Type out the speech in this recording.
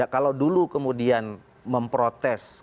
kalau dulu kemudian memprotes